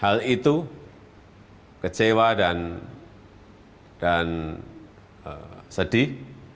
hal itu kecewa dan sedih